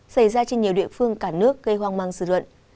xảy ra trên nhiều địa phương cả nước gây hoang mang sự luận